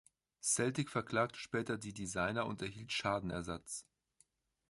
Celtic verklagte später die Designer und erhielt Schadenersatz.